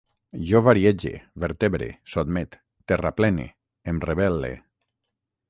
Jo variege, vertebre, sotmet, terraplene, em rebel·le